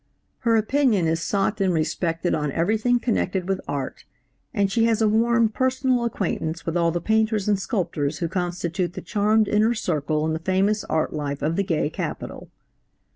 Her opinion is sought and respected on everything connected with art, and she has a warm personal acquaintance with all the painters and sculptors who constitute the charmed inner circle in the famous art life of the gay capital.